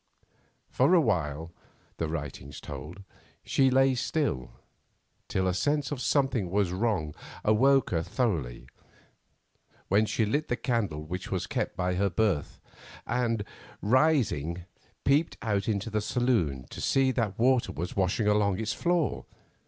For a while, the writing told, she lay still, till a sense that something was wrong awoke her thoroughly, when she lit the candle which she kept by her berth, and, rising, peeped out into the saloon to see that water was washing along its floor.